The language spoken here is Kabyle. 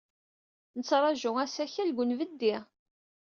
Nettṛaju asakal deg unbeddi.